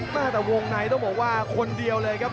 แม่แต่วงในต้องบอกว่าคนเดียวเลยครับ